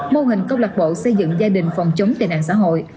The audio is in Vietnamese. mô hình câu lạc bộ xây dựng gia đình phòng chống đề nạn xã hội